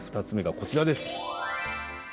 ２つ目がこちらです。